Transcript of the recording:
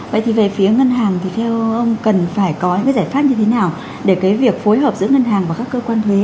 vậy thì về phía ngân hàng thì theo ông cần phải có những cái giải pháp như thế nào để cái việc phối hợp giữa ngân hàng và các cơ quan thuế